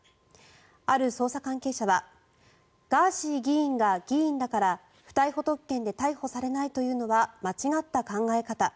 ある捜査関係者はガーシー議員が議員だから不逮捕特権で逮捕されないというのは間違った考え方